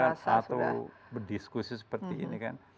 media sosial atau berdiskusi seperti ini kan